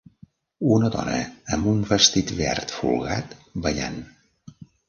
Una dona amb un vestit verd folgat ballant.